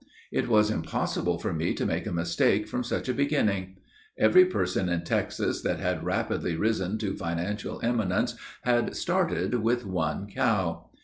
It was impossible for me to make a mistake from such a beginning. Every person in Texas that had rapidly risen to financial eminence had started with one cow.